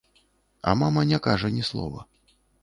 А мама не кажа ні слова.